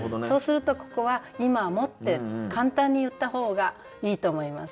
そうするとここは「今も」って簡単に言った方がいいと思います。